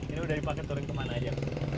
ini udah dipakai turun kemana aja